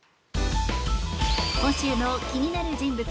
今週の気になる人物